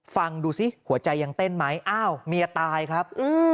ฟังดูสิหัวใจยังเต้นไหมอ้าวเมียตายครับ